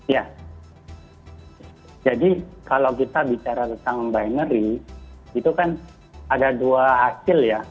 ya jadi kalau kita bicara tentang binary itu kan ada dua hasil ya